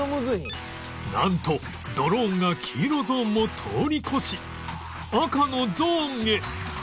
なんとドローンが黄色ゾーンも通り越し赤のゾーンへ